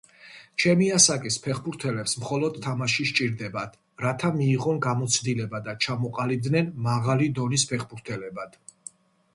ჩემი ასაკის ფეხბურთელებს მხოლოდ თამაში სჭირდებათ, რათა მიიღონ გამოცდილება და ჩამოყალიბდნენ მაღალი დონის ფეხბურთელებად.